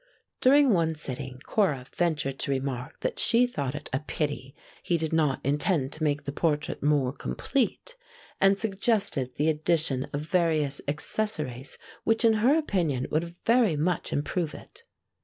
During one sitting Cora ventured to remark that she thought it a pity he did not intend to make the portrait more complete, and suggested the addition of various accessories which in her opinion would very much improve it.